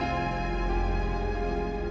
saya baru inget